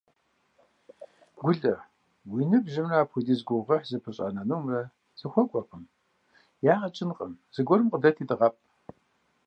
Гулэ, уи ныбжьымрэ апхуэдиз гугъуехь зыпыщӀа нынумрэ зэхуэкӀуэркъым. Ягъэ кӀынкъым, зыгуэрым къыдэти дыгъэпӀ.